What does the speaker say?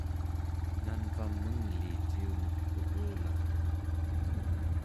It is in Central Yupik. nanvam menglii ciumek urulartuq